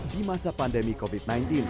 di masa pandemi covid sembilan belas